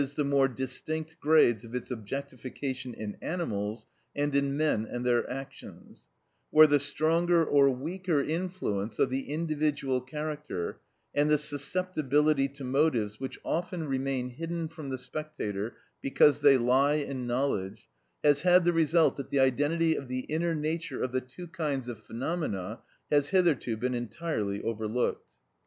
_, the more distinct, grades of its objectification, in animals, and in men and their actions, where the stronger or weaker influence of the individual character and the susceptibility to motives which often remain hidden from the spectator, because they lie in knowledge, has had the result that the identity of the inner nature of the two kinds of phenomena has hitherto been entirely overlooked.